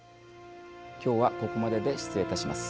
今日はここまでで失礼いたします。